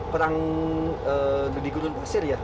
perang di gunung prasir ya